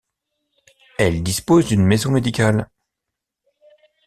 Elle dispose d'une maison médicale.